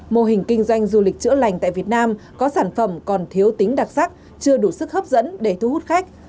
mô hình kinh doanh du lịch chữa lành tại việt nam có sản phẩm còn thiếu tính đặc sắc chưa đủ sức hấp dẫn để thu hút khách